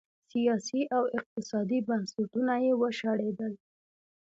سیاسي او اقتصادي بنسټونه یې وشړېدل.